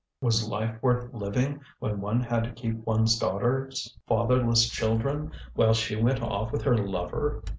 Was life worth living when one had to keep one's daughter's fatherless children while she went off with her lover?